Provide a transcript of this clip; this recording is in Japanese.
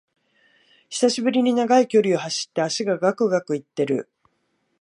久しぶりに長い距離を走って脚がガクガクいってる